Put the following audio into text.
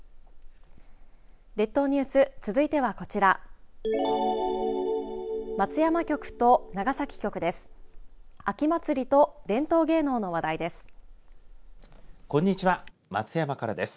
列島ニュース、続いてはこちら松山局と長崎局です。